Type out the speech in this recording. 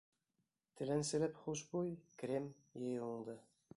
Теләнселәп хушбуй, крем йыйыуыңды.